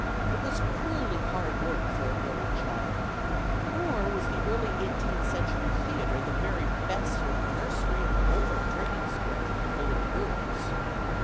It was cruelly hard work for a growing child; nor \vas the early eighteenth century theater the very best sort of nursery and moral training school for little girls.